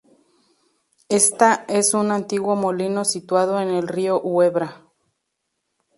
Está es un antiguo molino situado en el río Huebra.